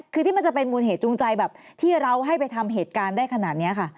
คือที่มันจะเป็นมูลเหตุจูงใจแบบที่เราให้ไปทำเหตุการณ์ได้ขนาดนี้ค่ะ